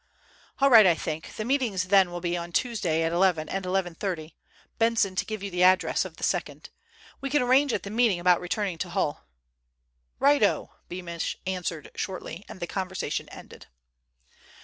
"All right, I think. The meetings then will be on Tuesday at 11 and 1.30, Benson to give you the address of the second. We can arrange at the meeting about returning to Hull." "Righto," Beamish answered shortly, and the conversation ended.